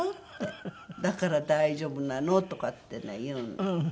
「だから大丈夫なの」とかってね言うの。